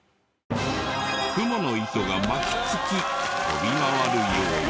クモの糸が巻き付き飛び回るように。